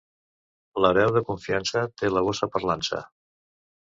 L'hereu de confiança té la bossa per l'ansa.